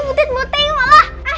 butet mau tengok lah